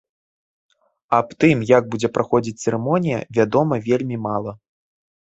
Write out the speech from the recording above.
Аб тым, як будзе праходзіць цырымонія, вядома вельмі мала.